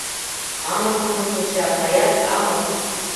Тамык нуным вуча, аяр тамык!